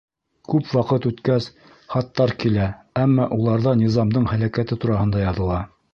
Күп ваҡыт үткәс, хаттар килә, әммә уларҙа Низамдың һәләкәте тураһында яҙыла.